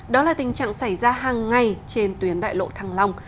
đó là tình trạng xảy ra hàng ngày trên tuyến đại lộ thăng long